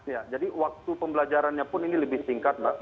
ya jadi waktu pembelajarannya pun ini lebih singkat mbak